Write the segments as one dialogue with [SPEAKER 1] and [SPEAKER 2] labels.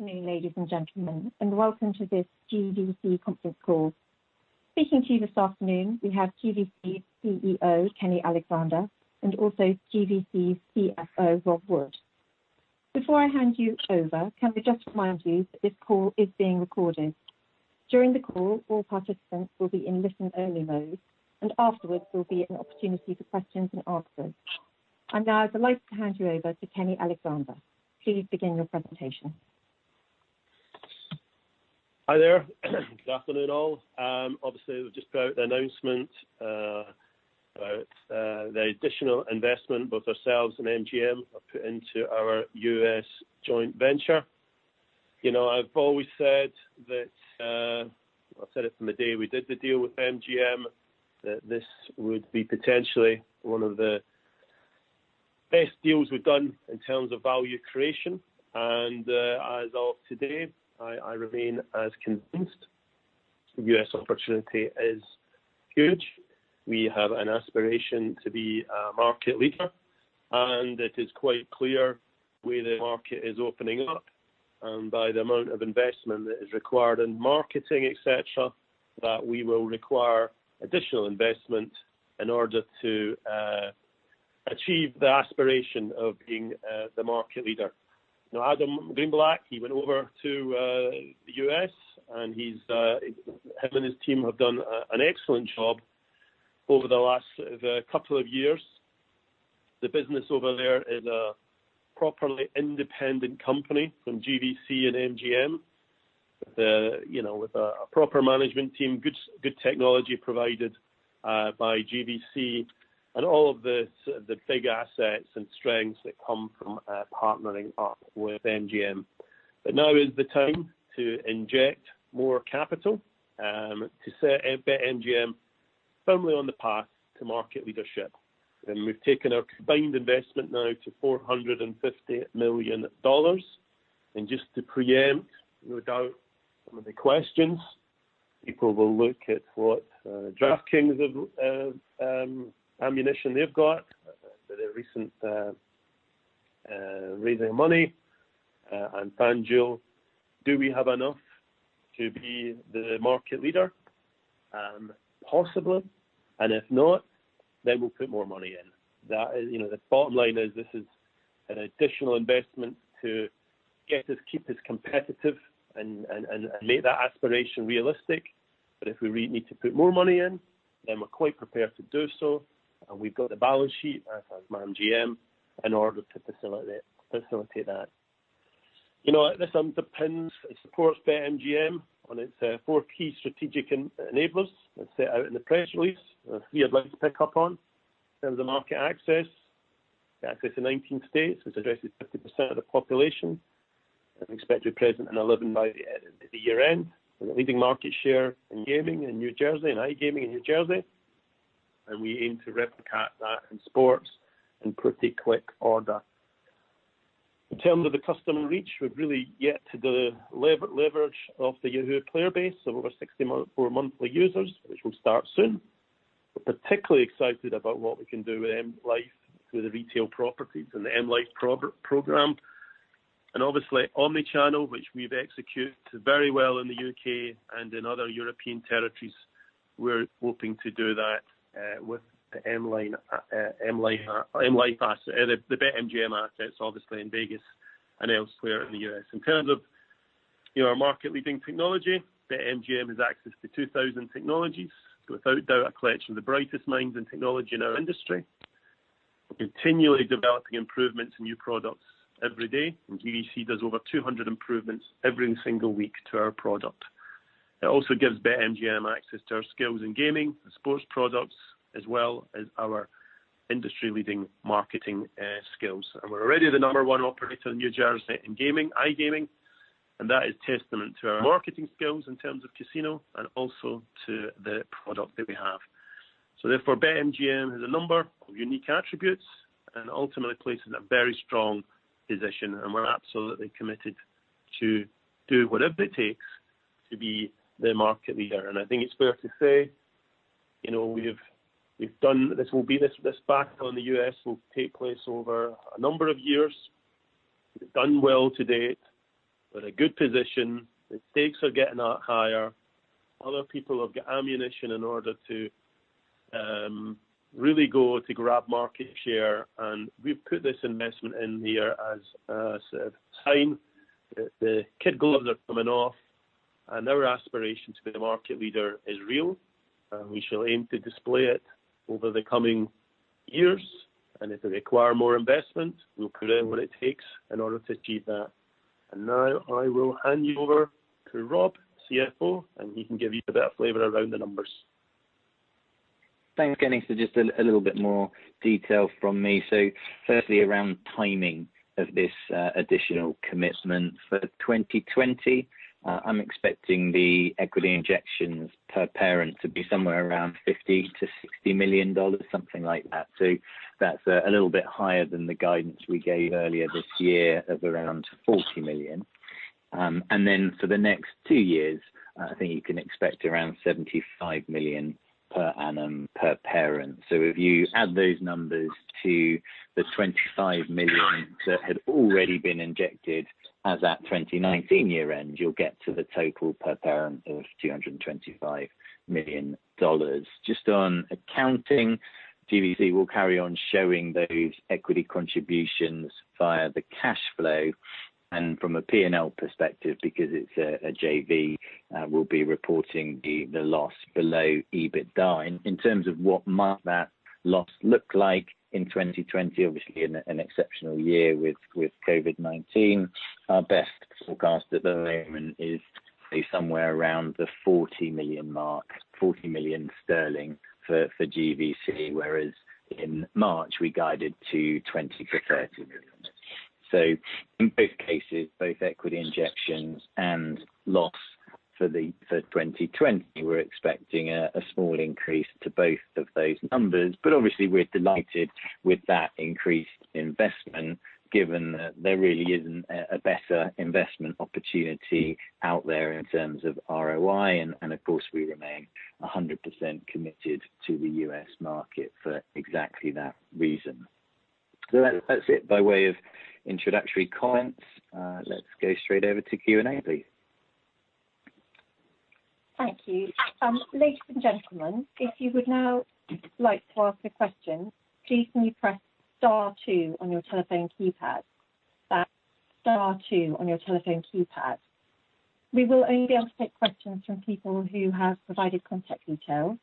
[SPEAKER 1] Good afternoon, ladies and gentlemen, and welcome to this GVC conference call. Speaking to you this afternoon, we have GVC's CEO, Kenny Alexander, and also GVC's CFO, Rob Wood. Before I hand you over, can I just remind you that this call is being recorded? During the call, all participants will be in listen-only mode, and afterwards, there will be an opportunity for questions and answers. And now, I'd like to hand you over to Kenny Alexander. Please begin your presentation.
[SPEAKER 2] Hi there. Good afternoon, all. Obviously, we've just put out the announcement about the additional investment both ourselves and MGM have put into our U.S. joint venture. I've always said that, I've said it from the day we did the deal with MGM, that this would be potentially one of the best deals we've done in terms of value creation. As of today, I remain as convinced the U.S. opportunity is huge. We have an aspiration to be a market leader, and it is quite clear the way the market is opening up and by the amount of investment that is required in marketing, etc., that we will require additional investment in order to achieve the aspiration of being the market leader. Adam Greenblatt, he went over to the U.S., and he's, him and his team have done an excellent job over the last couple of years. The business over there is a properly independent company from GVC and MGM, with a proper management team, good technology provided by GVC, and all of the big assets and strengths that come from partnering up with MGM. Now is the time to inject more capital to set MGM firmly on the path to market leadership. We've taken our combined investment now to $450 million. Just to preempt, no doubt, some of the questions, people will look at what DraftKings of ammunition they've got with their recent raising of money. Frankly, do we have enough to be the market leader? Possibly. If not, then we'll put more money in. The bottom line is this is an additional investment to keep us competitive and make that aspiration realistic. If we really need to put more money in, then we're quite prepared to do so. We've got the balance sheet, as has MGM, in order to facilitate that. This underpins and supports MGM on its four key strategic enablers that are set out in the press release. The three I'd like to pick up on in terms of market access: access to 19 states, which addresses 50% of the population, and expected to be present in 11 by the year-end. We're the leading market share in gaming in New Jersey, in iGaming in New Jersey. We aim to replicate that in sports in pretty quick order. In terms of the customer reach, we've really yet to deliver leverage off the Yahoo player base of over 64 monthly users, which will start soon. We're particularly excited about what we can do with M life through the retail properties and the M life program. Obviously, omnichannel, which we've executed very well in the U.K. and in other European territories, we're hoping to do that with the M life asset, the BetMGM assets, obviously, in Vegas and elsewhere in the U.S. In terms of our market-leading technology, MGM has access to 2,000 technologies, without doubt a collection of the brightest minds and technology in our industry. We're continually developing improvements in new products every day, and GVC does over 200 improvements every single week to our product. It also gives BetMGM access to our skills in gaming and sports products, as well as our industry-leading marketing skills. We're already the number one operator in New Jersey in gaming, iGaming, and that is testament to our marketing skills in terms of casino and also to the product that we have. So, therefore, BetMGM has a number of unique attributes and ultimately places it in a very strong position. We are absolutely committed to do whatever it takes to be the market leader. I think it's fair to say we've done this with this background. The U.S. will take place over a number of years. We've done well to date. We are in a good position. The stakes are getting a lot higher. Other people have got ammunition in order to really go and grab market share. We have put this investment in here as a sign that the kid gloves are coming off. Our aspiration to be the market leader is real. We shall aim to display it over the coming years. If we require more investment, we will put in what it takes in order to achieve that. Now, I will hand you over to Rob, CFO, and he can give you a bit of flavor around the numbers.
[SPEAKER 3] Thanks, Kenny. So just a little bit more detail from me. So firstly, around timing of this additional commitment for 2020, I'm expecting the equity injections per parent to be somewhere around $50-$60 million, something like that. So that's a little bit higher than the guidance we gave earlier this year of around $40 million. And then for the next two years, I think you can expect around $75 million per annum per parent. So if you add those numbers to the $25 million that had already been injected as that 2019 year-end, you'll get to the total per parent of $225 million. Just on accounting, GVC will carry on showing those equity contributions via the cash flow. And from a P&L perspective, because it's a JV, we'll be reporting the loss below EBITDA. In terms of what might that loss look like in 2020, obviously an exceptional year with COVID-19, our best forecast at the moment is somewhere around the 40 million mark, 40 million sterling for GVC, whereas in March, we guided to 20-30 million GBP. So in both cases, both equity injections and loss for 2020, we're expecting a small increase to both of those numbers. But obviously, we're delighted with that increased investment, given that there really isn't a better investment opportunity out there in terms of ROI. And of course, we remain 100% committed to the U.S. market for exactly that reason. So that's it by way of introductory comments. Let's go straight over to Q&A, please.
[SPEAKER 1] Thank you. Ladies and gentlemen, if you would now like to ask a question, please can you press star two on your telephone keypad? That's star two on your telephone keypad. We will only be able to take questions from people who have provided contact details.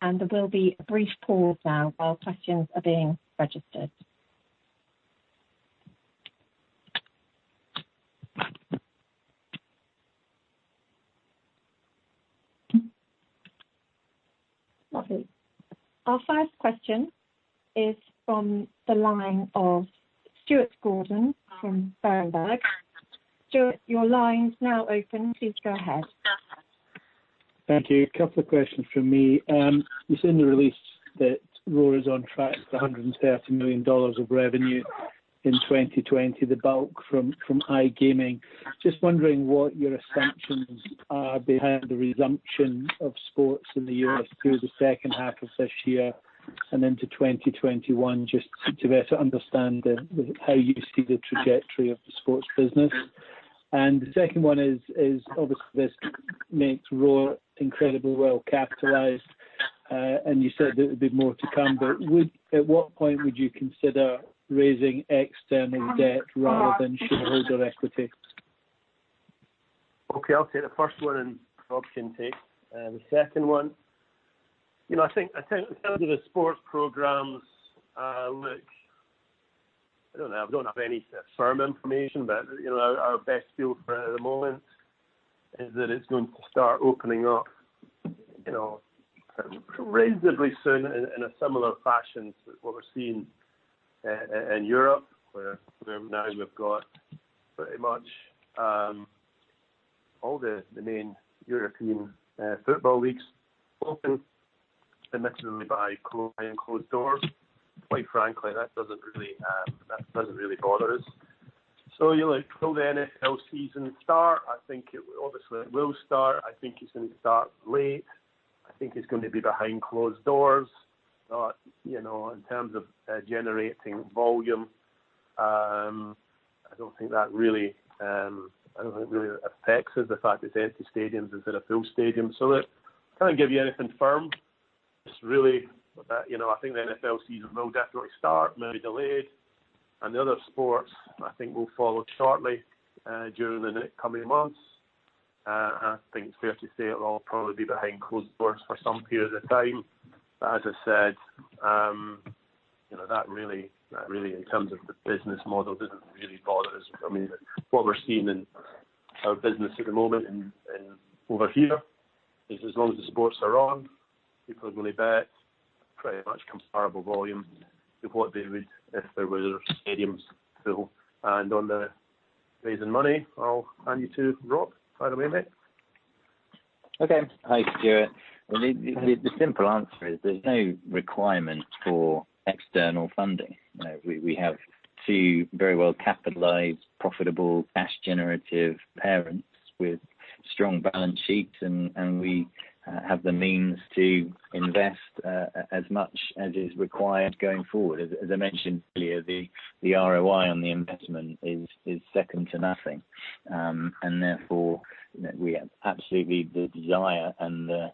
[SPEAKER 1] And there will be a brief pause now while questions are being registered. Lovely. Our first question is from the line of Stuart Gordon from Berenberg. Stuart, your line's now open. Please go ahead.
[SPEAKER 4] Thank you. A couple of questions from me. You said in the release that Roar is on track for $130 million of revenue in 2020, the bulk from iGaming. Just wondering what your assumptions are behind the resumption of sports in the U.S. through the second half of this year and into 2021, just to better understand how you see the trajectory of the sports business. And the second one is, obviously, this makes Roar incredibly well-capitalized. And you said that there'd be more to come. But at what point would you consider raising external debt rather than shareholder equity?
[SPEAKER 2] Okay. I'll take the first one and Rob can take the second one. I think in terms of the sports programs, look, I don't know. I don't have any firm information, but our best feel for it at the moment is that it's going to start opening up reasonably soon in a similar fashion to what we're seeing in Europe, where now we've got pretty much all the main European football leagues open, admittedly behind closed doors. Quite frankly, that doesn't really bother us, so will the NFL season start? I think it will, obviously, start. I think it's going to start late. I think it's going to be behind closed doors, but in terms of generating volume, I don't think that really affects us. The fact it's empty stadiums instead of full stadiums, so I can't give you anything firm. It's really, I think, the NFL season will definitely start, maybe delayed, and the other sports, I think, will follow shortly during the coming months. I think it's fair to say it'll all probably be behind closed doors for some period of time, but as I said, that really, in terms of the business model, doesn't really bother us. I mean, what we're seeing in our business at the moment and over here is as long as the sports are on, people are going to bet pretty much comparable volume to what they would if there were stadiums full, and on the raising money, I'll hand you to Rob. By the way, mate.
[SPEAKER 3] Okay. Hi, Stuart. The simple answer is there's no requirement for external funding. We have two very well-capitalized, profitable, cash-generative parents with strong balance sheets, and we have the means to invest as much as is required going forward. As I mentioned earlier, the ROI on the investment is second to nothing. And therefore, we absolutely have the desire and the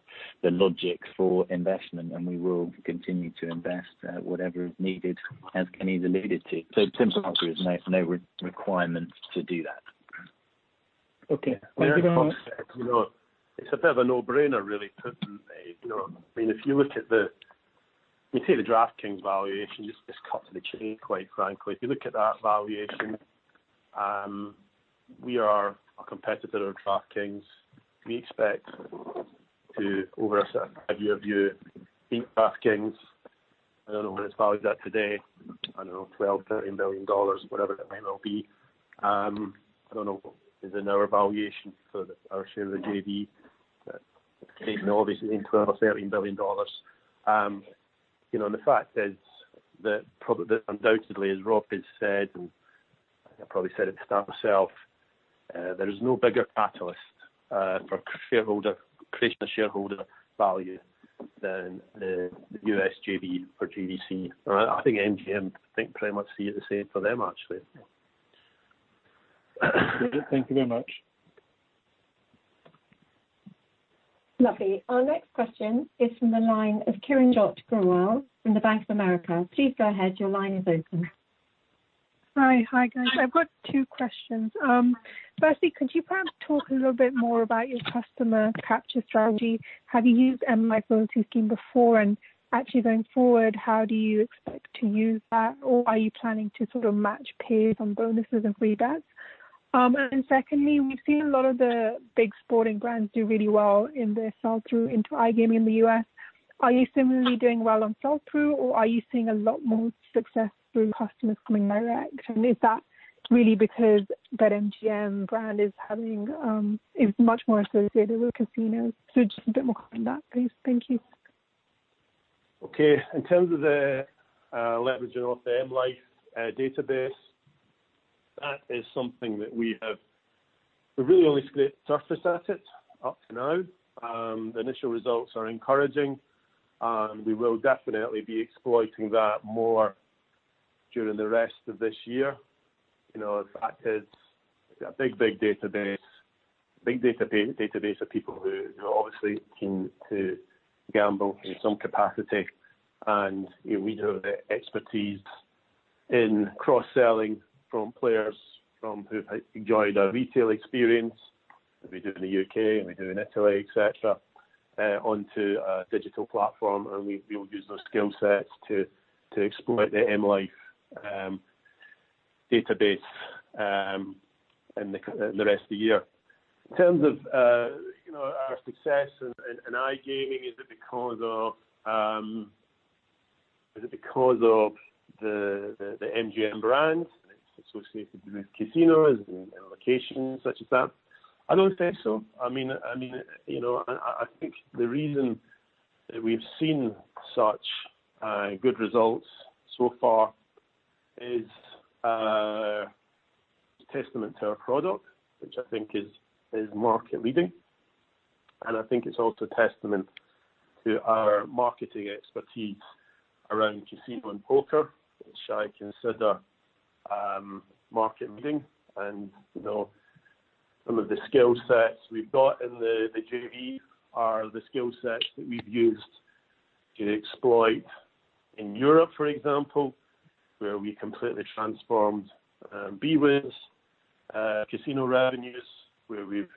[SPEAKER 3] logic for investment, and we will continue to invest whatever is needed, as Kenny's alluded to. So the simple answer is no requirement to do that.
[SPEAKER 4] Okay. Thank you very much.
[SPEAKER 2] It's a bit of a no-brainer, really, couldn't it? I mean, if you look at the, let me say the DraftKings valuation, just cut to the chase, quite frankly. If you look at that valuation, we are a competitor of DraftKings. We expect to, over a certain five-year view, beat DraftKings. I don't know what it's valued at today. I don't know, $12-$13 billion, whatever that might well be. I don't know. It's in our valuation for our share of the JV. It's obviously $12 or $13 billion. And the fact is that undoubtedly, as Rob has said, and I probably said it to start myself, there is no bigger catalyst for creation of shareholder value than the U.S. JV or GVC. And I think MGM, I think, pretty much see it the same for them, actually.
[SPEAKER 4] Thank you very much.
[SPEAKER 1] Lovely. Our next question is from the line of Kiranjot Grewal from Bank of America. Please go ahead. Your line is open.
[SPEAKER 5] Hi. Hi, guys. I've got two questions. Firstly, could you perhaps talk a little bit more about your customer capture strategy? Have you used M life loyalty scheme before? And actually, going forward, how do you expect to use that? Or are you planning to sort of match peers on bonuses and rebates? And then secondly, we've seen a lot of the big sporting brands do really well in their sell-through into iGaming in the U.S. Are you similarly doing well on sell-through, or are you seeing a lot more success through customers coming direct? And is that really because that MGM brand is much more associated with casinos? So just a bit more on that, please. Thank you.
[SPEAKER 2] Okay. In terms of the leveraging off the M life database, that is something that we have really only scraped the surface at it up to now. The initial results are encouraging, and we will definitely be exploiting that more during the rest of this year. In fact, it's a big, big database, big database of people who obviously seem to gamble in some capacity, and we have the expertise in cross-selling from players who have enjoyed our retail experience. We do it in the U.K., and we do it in Italy, etc., onto a digital platform, and we will use those skill sets to exploit the M life database in the rest of the year. In terms of our success in iGaming, is it because of the MGM brand, and it's associated with casinos and locations such as that? I don't think so. I mean, I think the reason that we've seen such good results so far is testament to our product, which I think is market-leading, and I think it's also testament to our marketing expertise around casino and poker, which I consider market-leading, and some of the skill sets we've got in the JV are the skill sets that we've used to exploit in Europe, for example, where we completely transformed bwin's casino revenues, where we've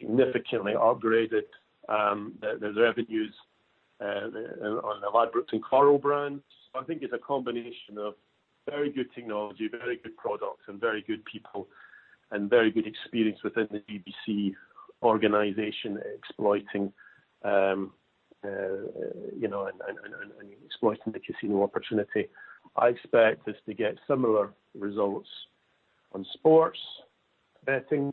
[SPEAKER 2] significantly upgraded the revenues on the Ladbrokes and Coral brands. I think it's a combination of very good technology, very good products, and very good people, and very good experience within the GVC organization exploiting the casino opportunity. I expect us to get similar results in sports betting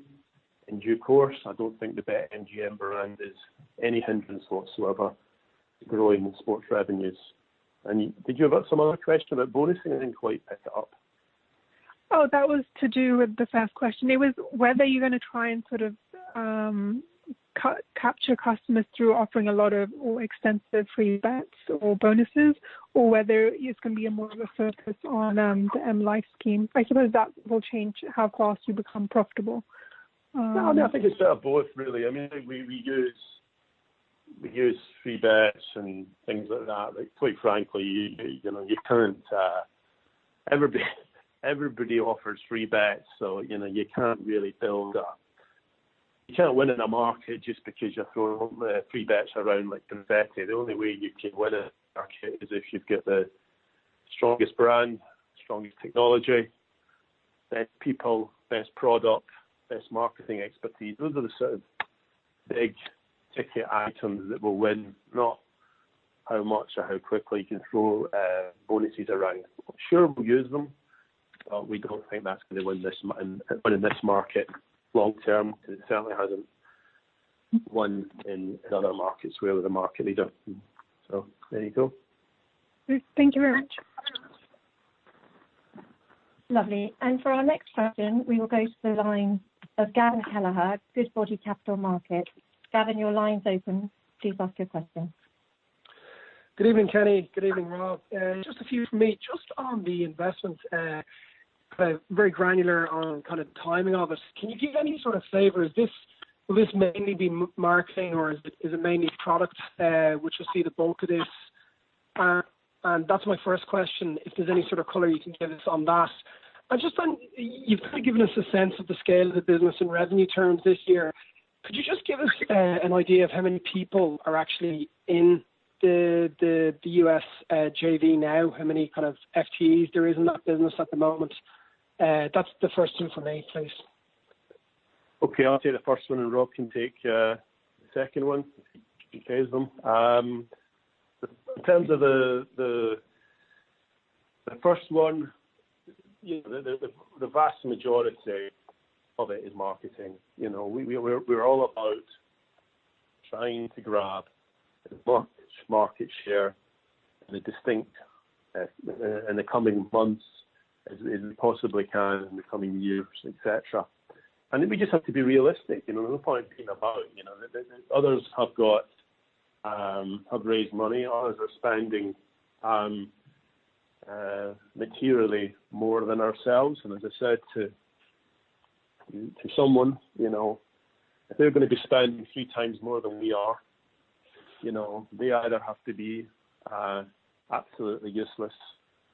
[SPEAKER 2] in due course. I don't think the BetMGM brand is any hindrance whatsoever to growing the sports revenues. And did you have some other question about bonusing? I didn't quite pick it up.
[SPEAKER 5] Oh, that was to do with the first question. It was whether you're going to try and sort of capture customers through offering a lot of extensive free bets or bonuses, or whether it's going to be more of a focus on the M life scheme. I suppose that will change how fast you become profitable.
[SPEAKER 2] I think it's both, really. I mean, we use free bets and things like that. Quite frankly, you can't. Everybody offers free bets, so you can't really build up. You can't win in a market just because you're throwing free bets around like confetti. The only way you can win in a market is if you've got the strongest brand, strongest technology, best people, best product, best marketing expertise. Those are the sort of big ticket items that will win, not how much or how quickly you can throw bonuses around. Sure, we'll use them, but we don't think that's going to win in this market long-term because it certainly hasn't won in other markets where the market isn't. So there you go.
[SPEAKER 1] Thank you very much. Lovely. And for our next question, we will go to the line of Gavin Kelleher, Goodbody Capital Markets. Gavin, your line's open. Please ask your question.
[SPEAKER 6] Good evening, Kenny. Good evening, Rob. Just a few from me just on the investment, very granular on kind of timing of it. Can you give any sort of flavor? Will this mainly be marketing, or is it mainly product, which you'll see the bulk of this? And that's my first question. If there's any sort of color you can give us on that. And just on you've kind of given us a sense of the scale of the business in revenue terms this year. Could you just give us an idea of how many people are actually in the U.S. JV now? How many kind of FTEs there are in that business at the moment? That's the first one for me, please.
[SPEAKER 2] Okay. I'll take the first one, and Rob can take the second one. In terms of the first one, the vast majority of it is marketing. We're all about trying to grab as much market share in the coming months as we possibly can in the coming years, etc., and we just have to be realistic. There's no point being about. Others have raised money. Others are spending materially more than ourselves, and as I said to someone, if they're going to be spending three times more than we are, they either have to be absolutely useless,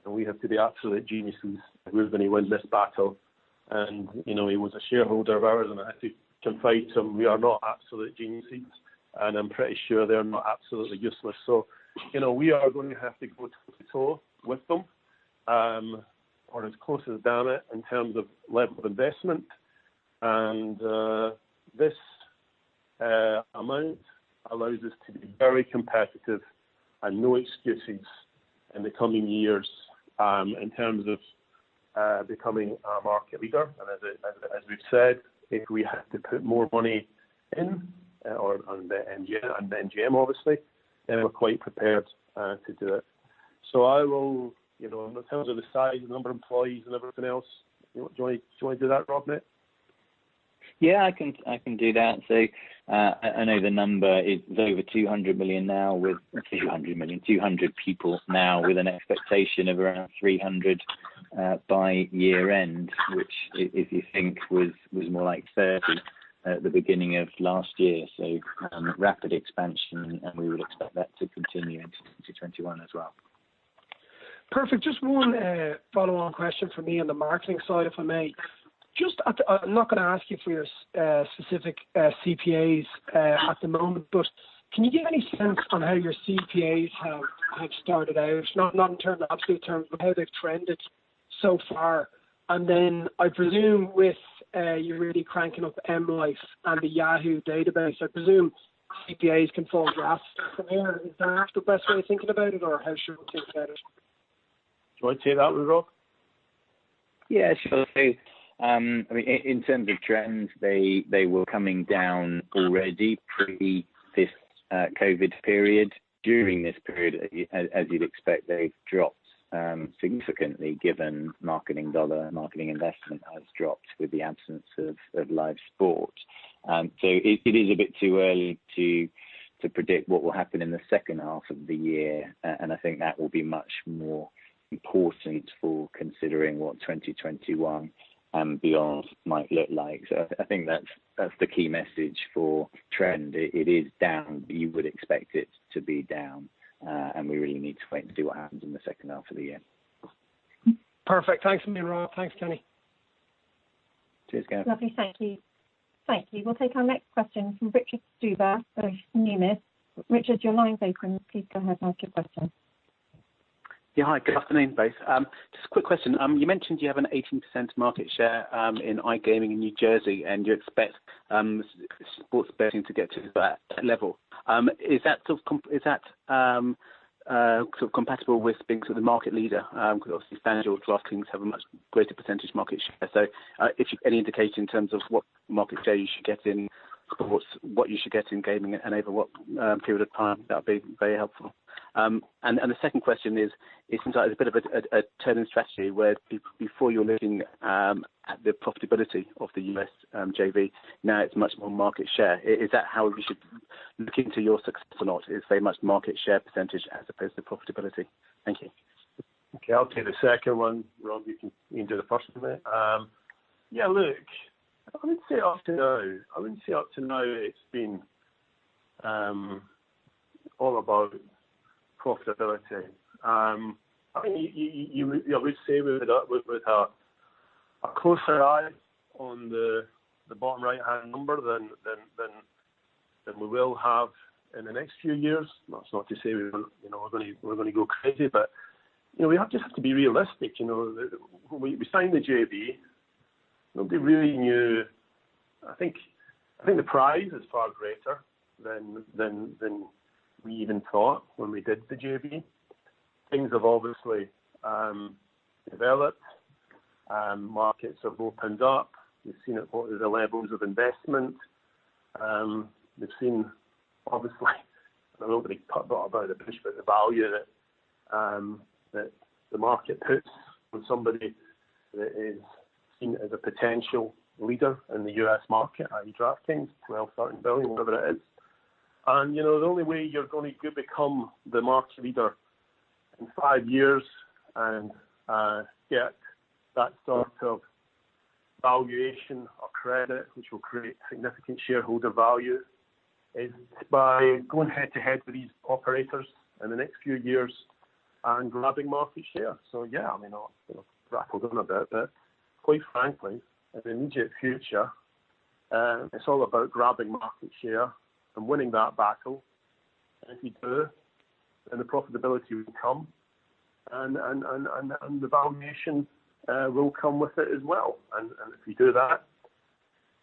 [SPEAKER 2] and we have to be absolute geniuses if we're going to win this battle, and he was a shareholder of ours, and I have to confide to him we are not absolute geniuses, and I'm pretty sure they're not absolutely useless. So we are going to have to go toe-to-toe with them or as close as damn it in terms of level of investment. And this amount allows us to be very competitive and no excuses in the coming years in terms of becoming our market leader. And as we've said, if we have to put more money in on the MGM, obviously, then we're quite prepared to do it. So I will, in terms of the size, the number of employees, and everything else, do you want to do that, Rob, Matt?
[SPEAKER 3] Yeah, I can do that. So I know the number is over 200 million now with—not 200 million, 200 people now with an expectation of around 300 by year-end, which, if you think, was more like 30 at the beginning of last year. So rapid expansion, and we would expect that to continue into 2021 as well.
[SPEAKER 6] Perfect. Just one follow-on question from me on the marketing side, if I may. I'm not going to ask you for your specific CPAs at the moment, but can you give any sense on how your CPAs have started out, not in terms of absolute terms, but how they've trended so far, and then I presume with you really cranking up M life and the Yahoo database, I presume CPAs can fall drastically from there. Is that the best way of thinking about it, or how should we think about it?
[SPEAKER 2] Do you want to take that one, Rob?
[SPEAKER 3] Yeah. So I think, I mean, in terms of trends, they were coming down already pre-COVID period. During this period, as you'd expect, they've dropped significantly given marketing dollar and marketing investment has dropped with the absence of live sport. So it is a bit too early to predict what will happen in the second half of the year. And I think that will be much more important for considering what 2021 and beyond might look like. So I think that's the key message for trend. It is down, but you would expect it to be down. And we really need to wait and see what happens in the second half of the year.
[SPEAKER 6] Perfect. Thanks to me, Rob. Thanks, Kenny.
[SPEAKER 3] Cheers, Gavin.
[SPEAKER 1] Lovely. Thank you. Thank you. We'll take our next question from Richard Stuber of Numis. Richard, your line's open. Please go ahead and ask your question.
[SPEAKER 7] Yeah. Hi. Good afternoon, both. Just a quick question. You mentioned you have an 18% market share in iGaming in New Jersey, and you expect sports betting to get to that level. Is that sort of compatible with being sort of the market leader? Because obviously, FanDuel and a lot of things have a much greater percentage market share. So if you've got any indication in terms of what market share you should get in sports, what you should get in gaming, and over what period of time, that would be very helpful. And the second question is, it seems like it's a bit of a turning strategy where before you were looking at the profitability of the U.S. JV, now it's much more market share. Is that how we should look into your success or not? Is it very much market share percentage as opposed to profitability? Thank you.
[SPEAKER 2] Okay. I'll take the second one, Rob. You can lead to the first one, mate. Yeah, look, I wouldn't say up to now. I wouldn't say up to now it's been all about profitability. I mean, I would say with a closer eye on the bottom right-hand number than we will have in the next few years. That's not to say we're going to go crazy, but we just have to be realistic. We signed the JV. Nobody really knew. I think the prize is far greater than we even thought when we did the JV. Things have obviously developed. Markets have opened up. We've seen the levels of investment. We've seen, obviously, and I'm not going to beat around the bush, but the value that the market puts on somebody that is seen as a potential leader in the US market, i.e., DraftKings, $12 billion, whatever it is. And the only way you're going to become the market leader in five years and get that sort of valuation or credit, which will create significant shareholder value, is by going head-to-head with these operators in the next few years and grabbing market share. So yeah, I mean, I've rattled on a bit, but quite frankly, in the immediate future, it's all about grabbing market share and winning that battle. And if we do, then the profitability will come, and the valuation will come with it as well. And if we do that,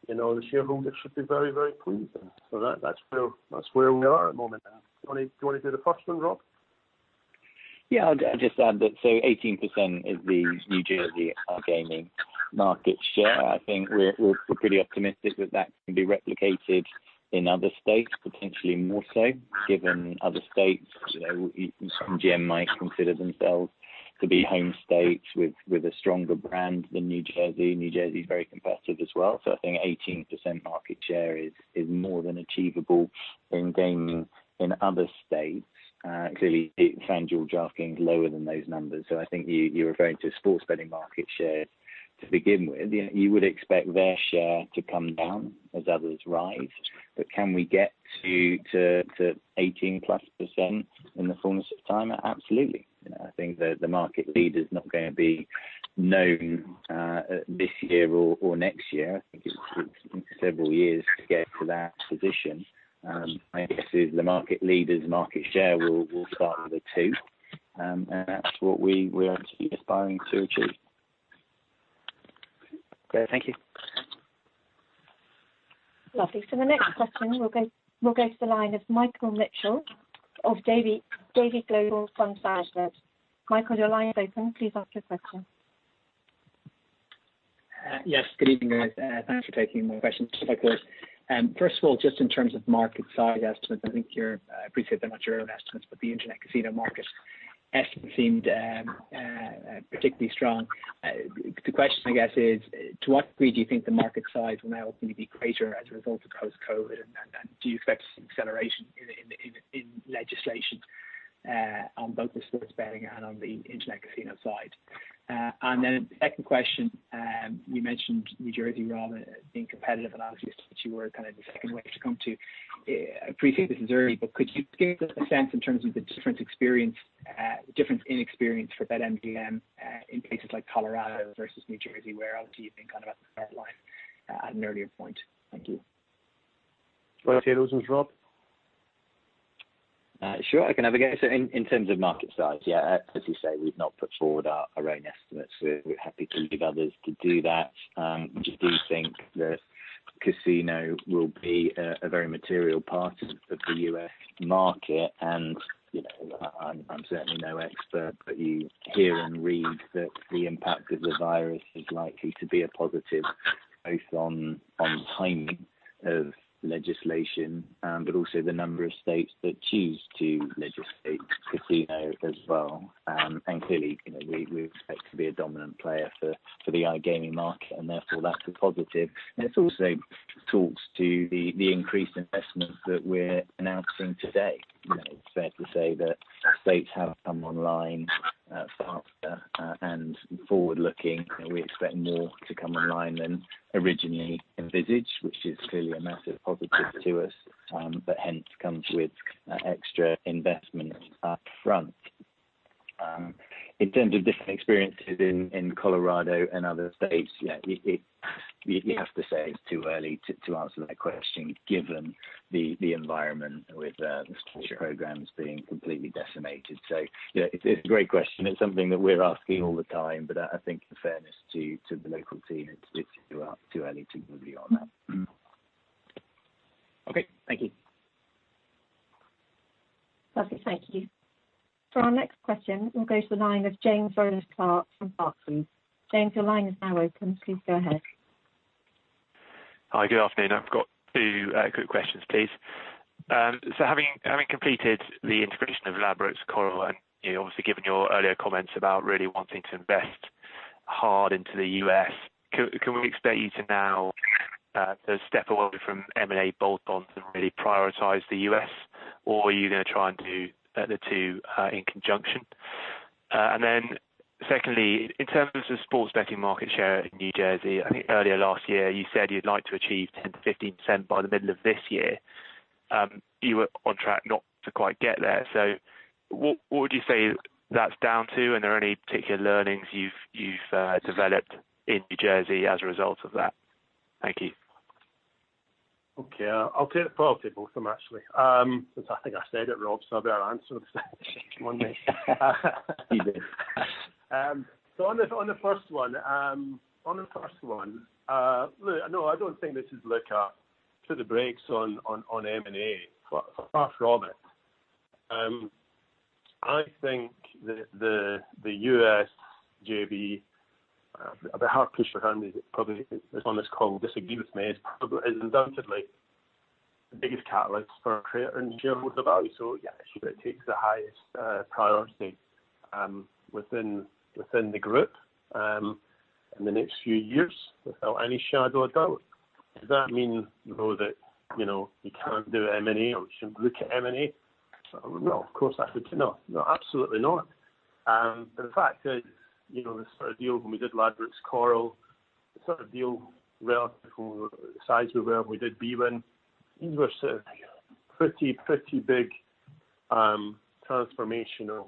[SPEAKER 2] the shareholders should be very, very pleased. So that's where we are at the moment. Do you want to do the first one, Rob?
[SPEAKER 3] Yeah. I'll just add that 18% is the New Jersey iGaming market share. I think we're pretty optimistic that that can be replicated in other states, potentially more so, given other states. MGM might consider themselves to be home states with a stronger brand than New Jersey. New Jersey is very competitive as well. So I think 18% market share is more than achievable in gaming in other states. Clearly, financial drafting is lower than those numbers. So I think you're referring to sports betting market share to begin with. You would expect their share to come down as others rise. But can we get to 18-plus% in the fullness of time? Absolutely. I think the market leader is not going to be known this year or next year. I think it's several years to get to that position. I guess the market leader's market share will start with a 2, and that's what we're actually aspiring to achieve.
[SPEAKER 7] Thank you.
[SPEAKER 1] Lovely. So the next question, we'll go to the line of Michael Mitchell of Davy Global Fund Management. Michael, your line is open. Please ask your question.
[SPEAKER 8] Yes. Good evening, guys. Thanks for taking my question, if I could. First of all, just in terms of market size estimates, I think you're, I appreciate they're not your own estimates, but the internet casino market estimates seemed particularly strong. The question, I guess, is to what degree do you think the market size will now openly be greater as a result of post-COVID? And do you expect acceleration in legislation on both the sports betting and on the internet casino side? And then the second question, you mentioned New Jersey, Rob, being competitive, and obviously, you were kind of the second wave to come to. I appreciate this is early, but could you give a sense in terms of the difference in experience for BetMGM in places like Colorado versus New Jersey? Where do you think kind of at the start line at an earlier point? Thank you.
[SPEAKER 2] I'll take those ones, Rob.
[SPEAKER 3] Sure. I can navigate. So in terms of market size, yeah, as you say, we've not put forward our own estimates. We're happy to leave others to do that. We just do think that casino will be a very material part of the U.S. market. And I'm certainly no expert, but you hear and read that the impact of the virus is likely to be a positive both on timing of legislation, but also the number of states that choose to legislate casino as well. And clearly, we expect to be a dominant player for the iGaming market, and therefore that's a positive. And it also talks to the increased investment that we're announcing today. It's fair to say that states have come online faster and forward-looking. We expect more to come online than originally envisaged, which is clearly a massive positive to us, but hence comes with extra investment upfront. In terms of different experiences in Colorado and other states, yeah, you have to say it's too early to answer that question given the environment with the sports programs being completely decimated. So it's a great question. It's something that we're asking all the time, but I think in fairness to the local team, it's too early to be on that.
[SPEAKER 8] Okay. Thank you.
[SPEAKER 1] Lovely. Thank you. For our next question, we'll go to the line of James Rowland-Clark from Barclays. James, your line is now open. Please go ahead.
[SPEAKER 9] Hi. Good afternoon. I've got two quick questions, please. So having completed the integration of Ladbrokes, Coral, and obviously given your earlier comments about really wanting to invest hard into the U.S., can we expect you to now step away from M&A bolt-ons and really prioritize the U.S., or are you going to try and do the two in conjunction? And then secondly, in terms of sports betting market share in New Jersey, I think earlier last year you said you'd like to achieve 10%-15% by the middle of this year. You were on track not to quite get there. So what would you say that's down to, and are there any particular learnings you've developed in New Jersey as a result of that? Thank you.
[SPEAKER 2] Okay. I'll take the first one from Ashley. Since I think I said it, Rob, so I better answer this question one way. So on the first one, on the first one, look, no, I don't think this is like putting the brakes on M&A, far from it. I think the US JV, I'll be hard-pushed to handle it. Probably this one is called "Disagree With Me," is undoubtedly the biggest catalyst for creating shareholder value. So yeah, it takes the highest priority within the group in the next few years without any shadow of a doubt.
[SPEAKER 9] Does that mean, though, that you can't do M&A or we shouldn't look at M&A?
[SPEAKER 2] No, of course I could say no. No, absolutely not. The fact is the sort of deal when we did Ladbrokes, Coral, the sort of deal relative to the size we were when we did bwin, these were sort of pretty big transformational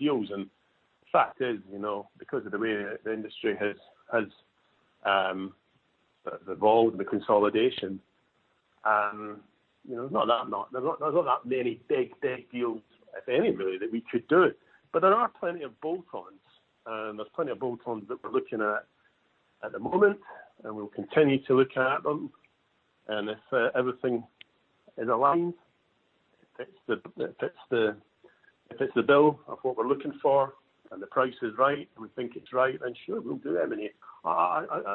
[SPEAKER 2] deals, and the fact is, because of the way the industry has evolved and the consolidation, not that many big, big deals, if any, really, that we could do, but there are plenty of bolt-ons. There's plenty of bolt-ons that we're looking at at the moment, and we'll continue to look at them, and if everything is aligned, if it fits the bill of what we're looking for, and the price is right, and we think it's right, then sure, we'll do M&A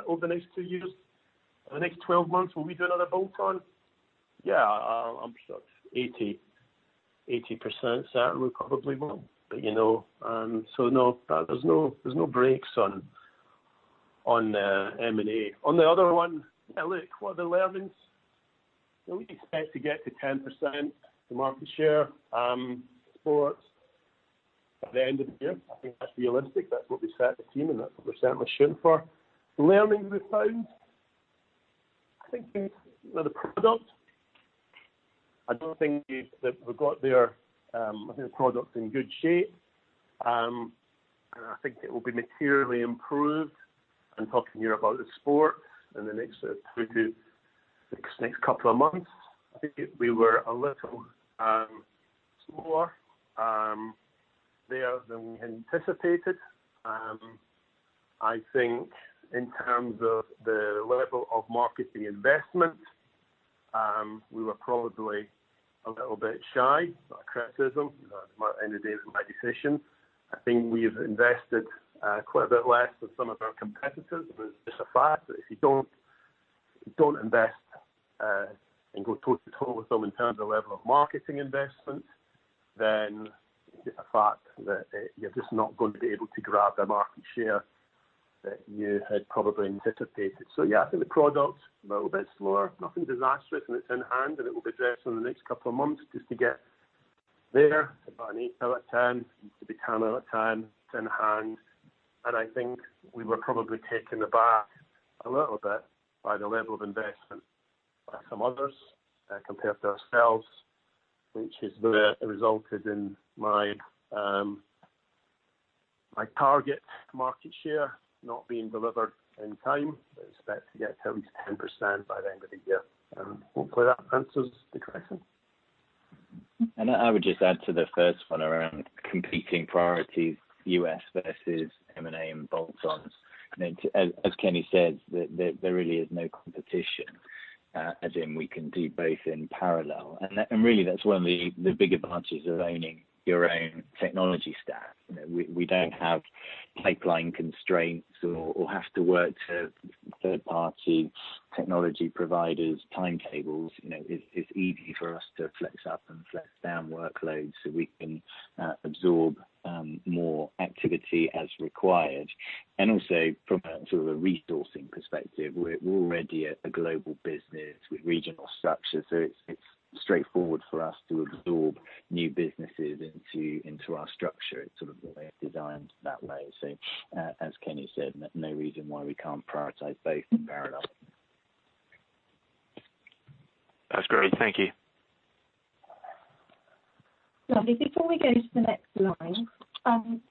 [SPEAKER 2] over the next two years. In the next 12 months, will we do another bolt-on? Yeah, I'm sure it's 80% certain we probably will, but so no, there's no brakes on M&A. On the other one, yeah, look, what are the learnings? We expect to get to 10% market share sports by the end of the year. I think that's realistic. That's what we set the team, and that's what we're certainly shooting for. Learnings we've found? I think the product. I don't think we've got their product in good shape. And I think it will be materially improved. I'm talking here about the sports in the next sort of two to six next couple of months. I think we were a little slower there than we anticipated. I think in terms of the level of marketing investment, we were probably a little bit shy about criticism. It might end a day with my decision. I think we've invested quite a bit less than some of our competitors. It's just a fact that if you don't invest and go toe-to-toe with them in terms of level of marketing investment, then it's just a fact that you're just not going to be able to grab the market share that you had probably anticipated. Yeah, I think the product is a little bit slower. Nothing disastrous, and it's in hand, and it will be addressed in the next couple of months just to get there. It's about an eight out of 10, to be 10 out of 10. It's in hand. I think we were probably taken aback a little bit by the level of investment by some others compared to ourselves, which has resulted in my target market share not being delivered in time. We expect to get at least 10% by the end of the year. Hopefully, that answers the question.
[SPEAKER 3] And I would just add to the first one around competing priorities, U.S. versus M&A and bolt-ons. As Kenny says, there really is no competition, as in we can do both in parallel. And really, that's one of the big advantages of owning your own technology staff. We don't have pipeline constraints or have to work to third-party technology providers' timetables. It's easy for us to flex up and flex down workloads so we can absorb more activity as required. And also, from a sort of a resourcing perspective, we're already a global business with regional structure. So it's straightforward for us to absorb new businesses into our structure. It's sort of designed that way. So as Kenny said, no reason why we can't prioritize both in parallel.
[SPEAKER 9] That's great. Thank you.
[SPEAKER 1] Robbie, before we go to the next line,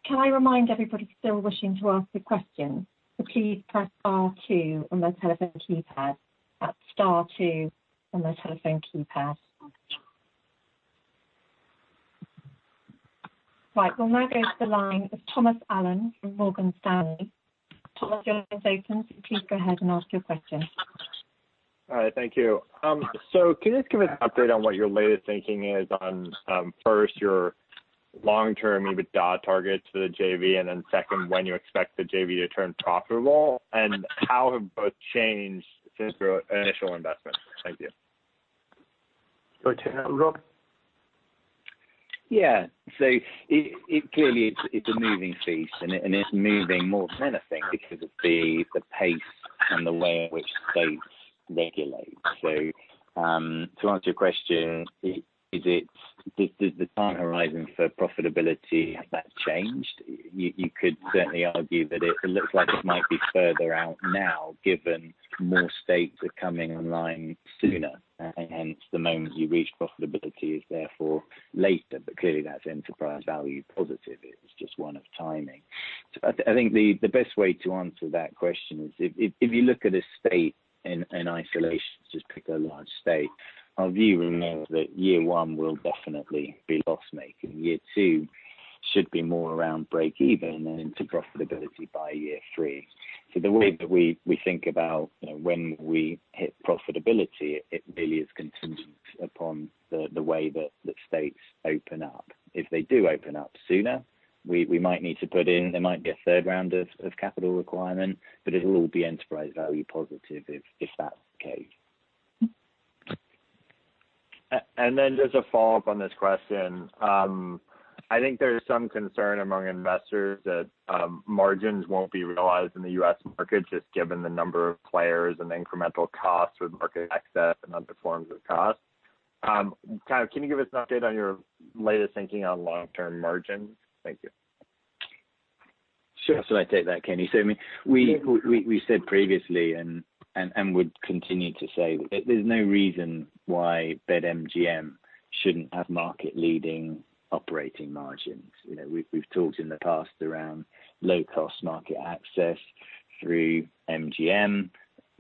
[SPEAKER 1] can I remind everybody still wishing to ask a question? So please press star two on their telephone keypad. That's star two on their telephone keypad. Right. We'll now go to the line of Thomas Allen from Morgan Stanley. Thomas, your line's open. So please go ahead and ask your question.
[SPEAKER 10] All right. Thank you. Can you just give us an update on what your latest thinking is on, first, your long-term targets for the JV, and then second, when you expect the JV to turn profitable, and how have both changed since your initial investment? Thank you.
[SPEAKER 2] Go ahead, Rob.
[SPEAKER 3] Yeah, so clearly, it's a moving feast, and it's moving more than anything because of the pace and the way in which states regulate, so to answer your question, does the time horizon for profitability have changed? You could certainly argue that it looks like it might be further out now, given more states are coming online sooner, and hence, the moment you reach profitability is therefore later, but clearly, that's enterprise value positive. It's just one of timing, so I think the best way to answer that question is if you look at a state in isolation, just pick a large state, our view remains that year one will definitely be loss-making. Year two should be more around break-even and into profitability by year three, so the way that we think about when we hit profitability, it really is contingent upon the way that states open up. If they do open up sooner, we might need to put in there might be a third round of capital requirement, but it'll all be enterprise value positive if that's the case.
[SPEAKER 10] Then just a follow-up on this question. I think there's some concern among investors that margins won't be realized in the U.S. market, just given the number of players and the incremental costs with market access and other forms of cost. Kind of can you give us an update on your latest thinking on long-term margins? Thank you.
[SPEAKER 3] Sure. So I take that, Kenny. So I mean, we said previously and would continue to say that there's no reason why BetMGM shouldn't have market-leading operating margins. We've talked in the past around low-cost market access through MGM.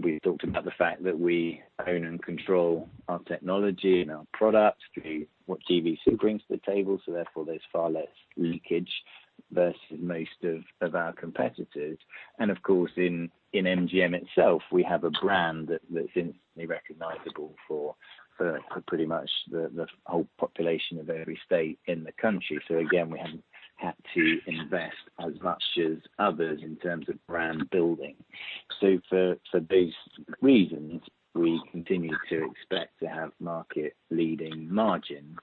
[SPEAKER 3] We've talked about the fact that we own and control our technology and our product through what GVC brings to the table. So therefore, there's far less leakage versus most of our competitors. And of course, in MGM itself, we have a brand that's instantly recognizable for pretty much the whole population of every state in the country. So again, we haven't had to invest as much as others in terms of brand building. So for those reasons, we continue to expect to have market-leading margins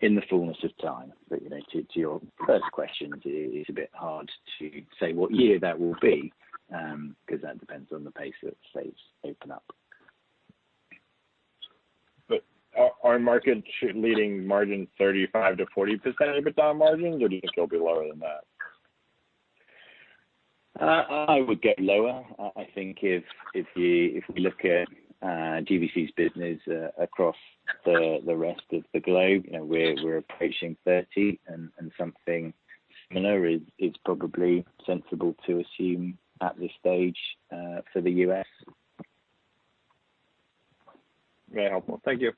[SPEAKER 3] in the fullness of time. But to your first question, it's a bit hard to say what year that will be because that depends on the pace that states open up.
[SPEAKER 10] But are market-leading margins 35%-40% of its own margins, or do you think it'll be lower than that?
[SPEAKER 3] I would get lower. I think if we look at GVC's business across the rest of the globe, we're approaching 30, and something similar is probably sensible to assume at this stage for the U.S.
[SPEAKER 10] Very helpful. Thank you.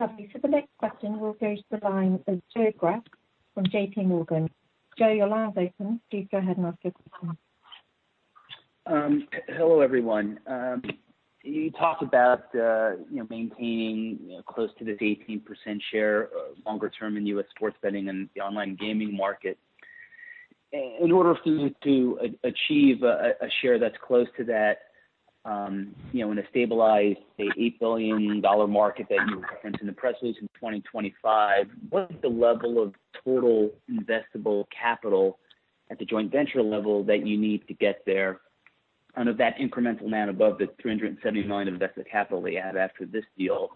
[SPEAKER 1] Robbie, so the next question will go to the line of Joe Greff from JPMorgan. Joe, your line's open. Please go ahead and ask your question.
[SPEAKER 11] Hello, everyone. You talked about maintaining close to the 18% share longer term in U.S. sports betting and the online gaming market. In order to achieve a share that's close to that in a stabilized, say, $8 billion market that you referenced in the press release in 2025, what's the level of total investable capital at the joint venture level that you need to get there? And of that incremental amount above the $370 million of invested capital they have after this deal,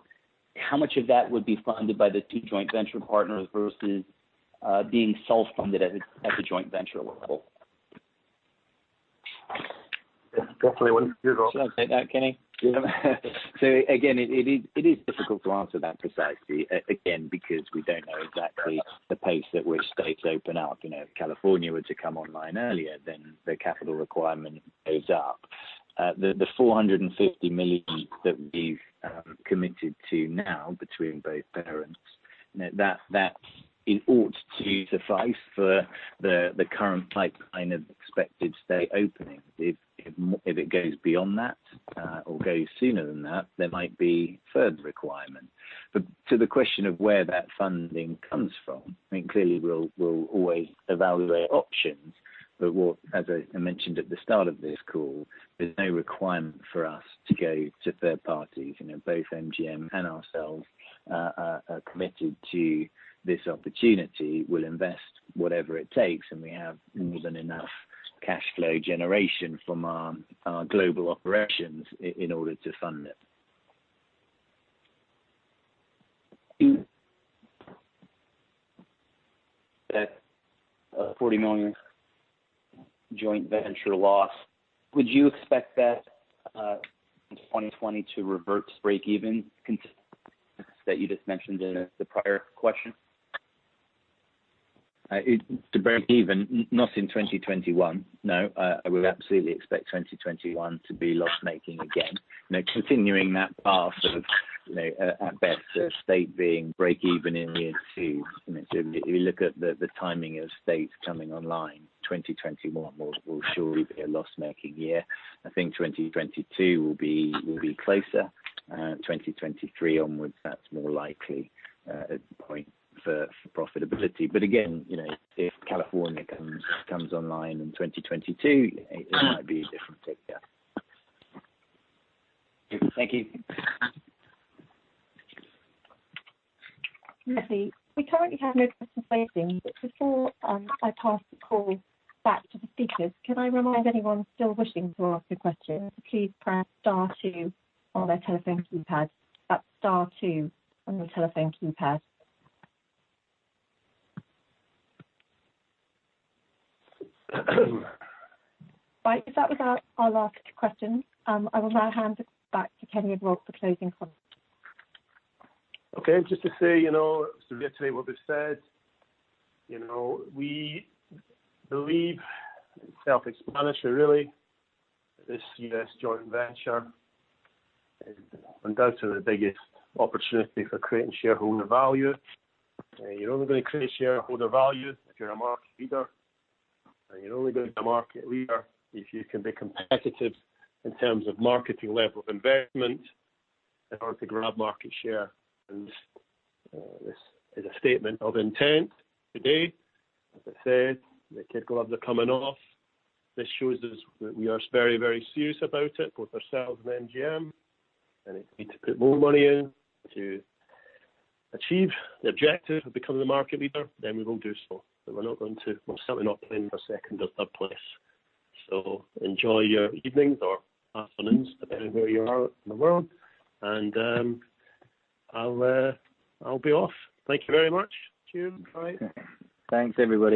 [SPEAKER 11] how much of that would be funded by the two joint venture partners versus being self-funded at the joint venture level?
[SPEAKER 2] That's definitely one for you, Rob.
[SPEAKER 3] Say that, Kenny. So again, it is difficult to answer that precisely, again, because we don't know exactly the pace at which states open up. If California were to come online earlier, then the capital requirement goes up. The $450 million that we've committed to now between both partners, that ought to suffice for the current pipeline of expected state openings. If it goes beyond that or goes sooner than that, there might be further requirements. But to the question of where that funding comes from, I mean, clearly, we'll always evaluate options. But as I mentioned at the start of this call, there's no requirement for us to go to third parties. Both MGM and ourselves are committed to this opportunity. We'll invest whatever it takes, and we have more than enough cash flow generation from our global operations in order to fund it.
[SPEAKER 11] That $40 million joint venture loss, would you expect that in 2020 to revert to break-even that you just mentioned in the prior question?
[SPEAKER 3] To break even, not in 2021. No, I would absolutely expect 2021 to be loss-making again, continuing that path of at best steady state being break even in year two. So if you look at the timing of states coming online, 2021 will surely be a loss-making year. I think 2022 will be closer. 2023 onwards, that's more likely a point for profitability. But again, if California comes online in 2022, it might be a different figure.
[SPEAKER 11] Thank you.
[SPEAKER 1] Robbie, we currently have no questions waiting. But before I pass the call back to the speakers, can I remind anyone still wishing to ask a question to please press star two on their telephone keypad? That's star two on your telephone keypad. Right. That was our last question. I will now hand the call back to Kenny and Rob for closing comments.
[SPEAKER 2] Okay. Just to say, to reiterate what we've said, we believe it's self-evident really that this U.S. joint venture is undoubtedly the biggest opportunity for creating shareholder value. You're only going to create shareholder value if you're a market leader. And you're only going to be a market leader if you can be competitive in terms of marketing level of investment in order to grab market share. And this is a statement of intent today. As I said, the kid gloves are coming off. This shows us that we are very, very serious about it, both ourselves and MGM. And if we need to put more money in to achieve the objective of becoming a market leader, then we will do so. But we're not going to; we're certainly not putting ourselves in the second or third place. So enjoy your evenings or afternoons, depending on where you are in the world. And I'll be off. Thank you very much. Cheers. Bye.
[SPEAKER 3] Thanks, everyone.